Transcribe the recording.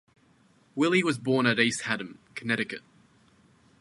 Willey was born at East Haddam, Connecticut.